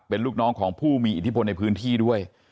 เป็นลูกน้องของผู้มีอิทธิพลในพื้นที่ด้วย